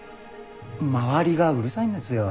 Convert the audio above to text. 周りがうるさいんですよ。